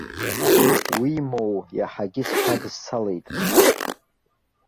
Уимоу, иаҳагьы сҽадысцалеит.